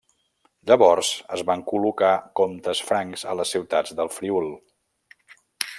Llavors es van col·locar comtes francs a les ciutats de Friül.